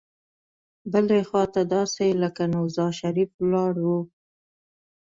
بلې خوا ته داسې لکه نوزا شریف ولاړ وو.